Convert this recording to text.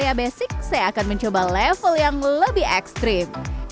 di area basic saya akan mencoba level yang lebih ekstrim